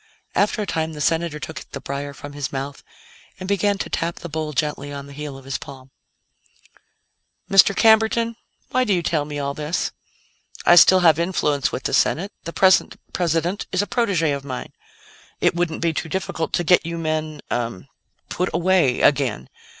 After a time, the Senator took the briar from his mouth and began to tap the bowl gently on the heel of his palm. "Mr. Camberton, why do you tell me all this? I still have influence with the Senate; the present President is a protégé of mine. It wouldn't be too difficult to get you men ah put away again.